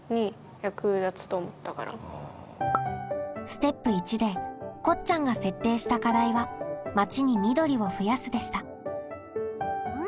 ステップ①でこっちゃんが設定した課題は「町に緑を増やす」でした。